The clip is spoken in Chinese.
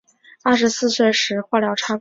二十四岁时化疗插管